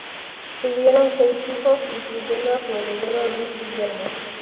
Tuvieron seis hijos, incluyendo a su heredero Luis Guillermo.